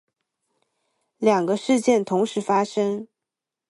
两个事件同时发生